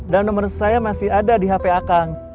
dan nomer saya masih ada di hp a kang